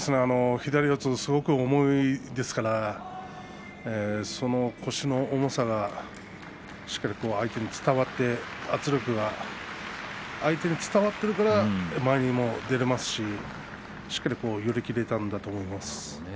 左四つがすごく重いですからその腰の重さがしっかり相手に伝わって圧力が相手に伝わっているから前にも出られますししっかり寄り切れたんだと思います。